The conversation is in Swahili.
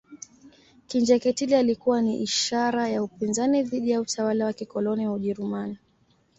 Kinjekitile alikuwa ni ishara ya upinzani dhidi ya utawala wa kikoloni wa ujerumani